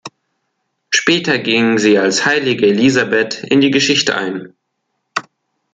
Später ging sie als heilige Elisabeth in die Geschichte ein.